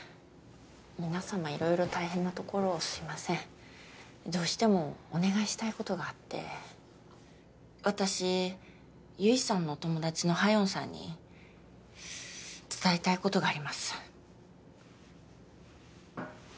皆さま色々大変なところをすいませんどうしてもお願いしたいことがあって私悠依さんのお友達の夏英さんに伝えたいことがあります